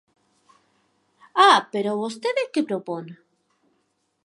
Ah, pero vostede que propón?